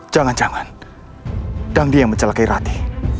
jangan jangan dan dia yang mencelakai rati